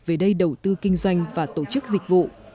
về đây đầu tư kinh doanh và tổ chức dịch vụ